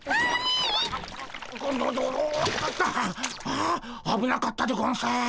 ああぶなかったでゴンス。